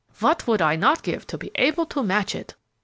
What would I not give to be able to match it!"